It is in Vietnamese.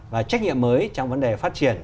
và trách nhiệm mới trong vấn đề phát triển